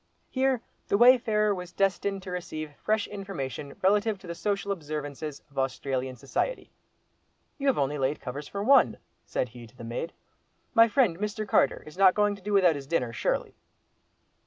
Here the wayfarer was destined to receive fresh information relative to the social observances of Australian society. "You have only laid covers for one," said he to the maid. "My friend, Mr. Carter, is not going to do without his dinner surely?"